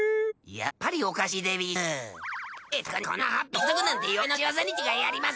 やっぱりおかしいでうぃす。